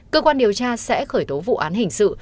cơ quan điều tra sẽ khởi tố vụ án hình sự